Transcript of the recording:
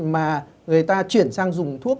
mà người ta chuyển sang dùng thuốc